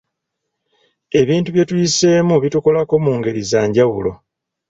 Ebintu bye tuyiseemu bitukolako mu ngeri za njawulo.